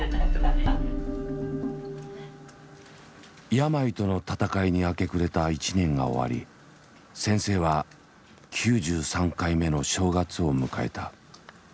病との闘いに明け暮れた１年が終わり先生は９３回目の正月を迎えた。